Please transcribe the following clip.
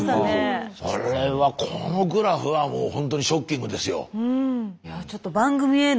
これはこのグラフはもうほんとにショッキングですよ。